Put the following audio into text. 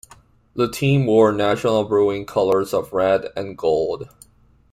The team wore National Brewing's colors of red and gold.